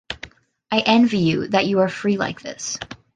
I envy you that you are free like this.